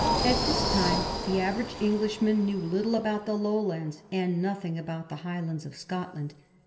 At this time the average Englishman knew little about the Lowlands and nothing about the Highlands of Scotland.